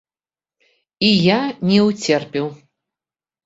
І я не ўцерпеў!